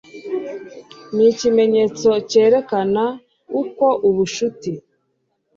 ni ikimenyetso cyerekana uko ubucuti